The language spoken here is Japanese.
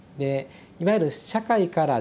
いわゆる社会からですね